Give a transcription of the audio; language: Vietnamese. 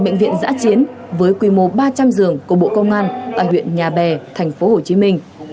bệnh viện giã chiến với quy mô ba trăm linh giường của bộ công an tại huyện nhà bè thành phố hồ chí minh